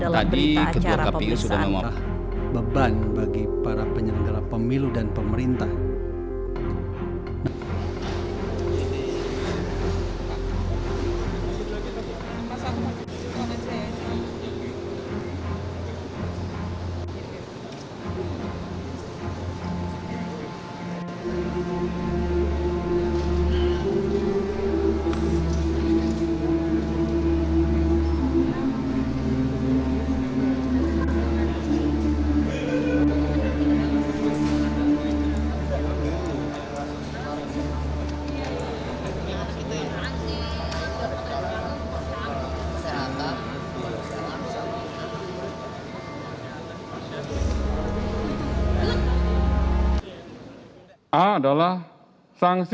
tadi ketua kpk sudah menolak